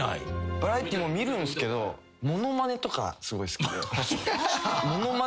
バラエティーも見るんすけど物まねとかすごい好きで。